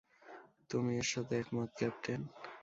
তুমি এর সাথে একমত, ক্যাপ্টেন?